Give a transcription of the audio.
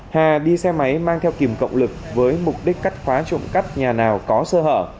hà đi xe máy mang theo kìm cộng lực với mục đích cắt khóa trộm cắp nhà nào có sơ hở